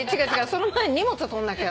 その前に荷物を取んなきゃ。